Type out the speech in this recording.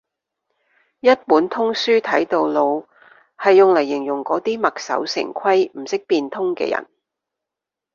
一本通書讀到老係用嚟形容嗰啲墨守成規唔識變通嘅人